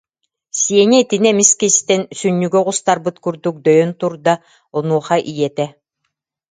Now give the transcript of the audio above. Сеня итини эмискэ истэн, сүнньүгэ оҕустарбыт курдук дөйөн турда, онуоха ийэтэ: